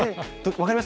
分かります。